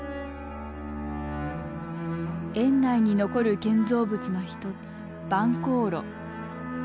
園内に残る建造物の一つ晩香廬。